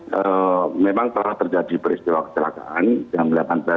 jadi memang telah terjadi peristiwa kecelakaan jam delapan belas tiga puluh